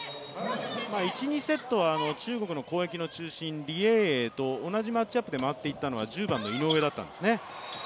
１、２セットは中国の攻撃の中心、リ・エイエイと同じマッチアップで回っていったのは１０番の井上だったんですね。